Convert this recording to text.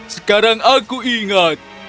sekarang aku ingat